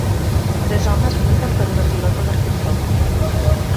Tres homes lluiten per una pilota de futbol.